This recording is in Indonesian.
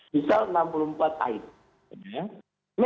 misal enam puluh empat ite